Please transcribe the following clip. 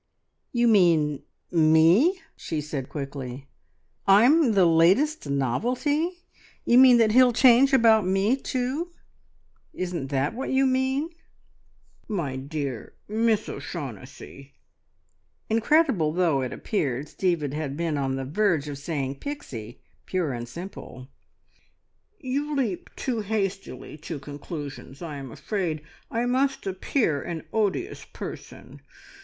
"You mean Me?" she said quickly. "I'm the `Latest Novelty!' You mean that he'll change about me, too? Isn't that what you mean?" "My dear Miss O'Shaughnessy," (incredible though it appeared, Stephen had been on the verge of saying "Pixie," pure and simple) "you leap too hastily to conclusions. I am afraid I must appear an odious person!